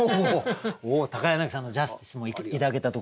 お柳さんの「ジャスティス」も頂けたところで。